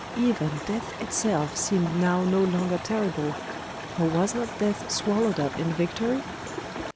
Even death itself seemed now no longer terrible, for was not death swallowed up in victory?